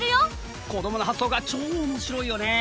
子どもの発想が超おもしろいよねえ！